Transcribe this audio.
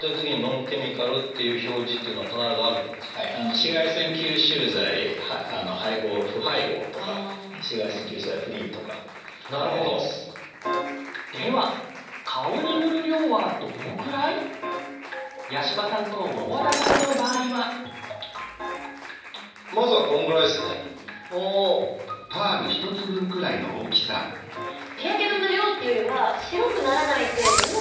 日焼け止めの量っていうよりは白くならない程度の量を塗るっていうか。